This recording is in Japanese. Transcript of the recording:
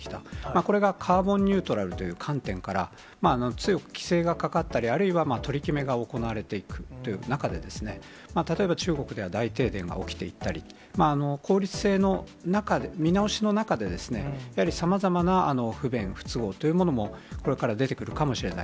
これがカーボンニュートラルという観点から、強く規制がかかったり、あるいは取り決めが行われていくという中で、例えば、中国では大停電が起きていたり、効率性の中で、見直しの中で、やはりさまざまな不便、不都合というものもこれから出てくるかもしれない。